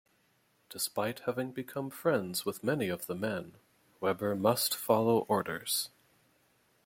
Despite having become friends with many of the men, Weber must follow orders.